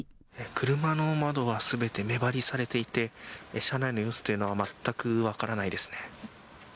車の窓はすべて目張りされていて、車内の様子というのは全く分からないですね。